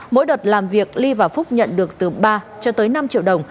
mỗi đợt làm việc ly và phúc nhận được từ ba cho tới năm triệu đồng